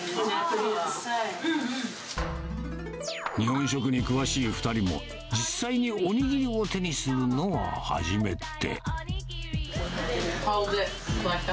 日本食に詳しい２人も、実際にお握りを手にするのは初めて。